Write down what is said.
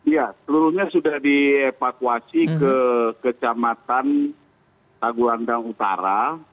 ya seluruhnya sudah dievakuasi ke kecamatan tagulandang utara